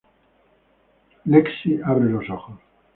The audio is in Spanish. Lexi abre los ojos.